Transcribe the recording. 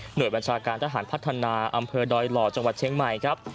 โดยบัญชาการทหารพัฒนาอำเภอดอยหล่อจังหวัดเชียงใหม่ครับ